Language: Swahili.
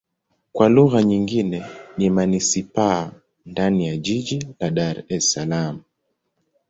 Kwa lugha nyingine ni manisipaa ndani ya jiji la Dar Es Salaam.